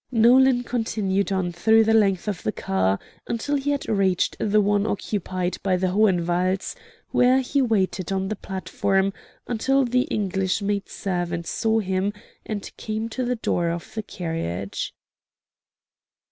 Nolan continued on through the length of the car until he had reached the one occupied by the Hohenwalds, where he waited on the platform until the English maidservant saw him and came to the door of the carriage.